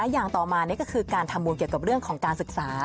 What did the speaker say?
อย่างต่อมานี่ก็คือการทำบุญเกี่ยวกับเรื่องของการศึกษา